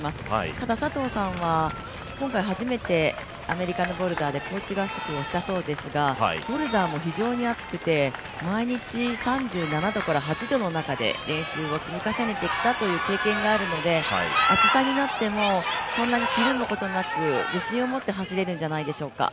ただ、佐藤さんは今回初めてアメリカのボルダーで高地合宿をしたそうですが、ボルダーも非常に暑くて毎日３７度から３８度の中で、練習を積み重ねてきた経験があるので暑さになってもそんなにひるむことなく、自信を持って走れるんじゃないでしょうか。